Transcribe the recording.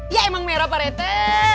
ya emang merah parete